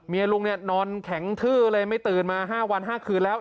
ลุงเนี่ยนอนแข็งทื้อเลยไม่ตื่นมา๕วัน๕คืนแล้ว